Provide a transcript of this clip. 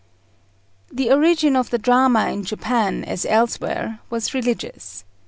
The origin of the drama in Japan, as elsewhere, was religious.